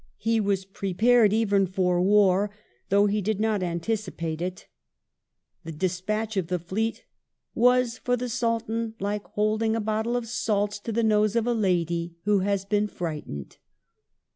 He was prepared even for war, though he did not anticipate it. The despatch of the fleet " was, for the Sultan, like holding a bottle of salts to the nose of a lady who had been frightened